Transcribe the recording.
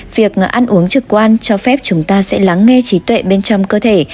việc ăn uống trực quan cho phép chúng ta sẽ lắng nghe trí tuệ bên trong cơ thể